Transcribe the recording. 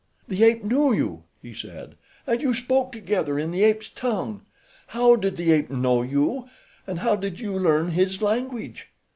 "The ape knew you," he said, "and you spoke together in the ape's tongue. How did the ape know you, and how did you learn his language?"